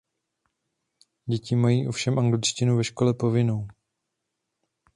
Děti mají ovšem angličtinu ve škole povinnou.